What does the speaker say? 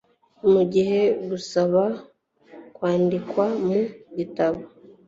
mu gihe gusaba kwandikwa mu gitabo